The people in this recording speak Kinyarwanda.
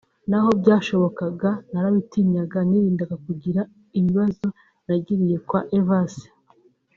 naho byashobokaga narabitinyaga nirindaga kugira ibibazo nagiriye kwa Evase